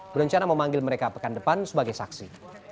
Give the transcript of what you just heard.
berencana memanggil mereka pekan depan sebagai saksi